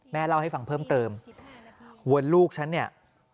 เล่าให้ฟังเพิ่มเติมว่าลูกฉันเนี่ย